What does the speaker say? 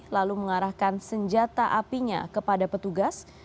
lalu mengarahkan senjata apinya kepada petugas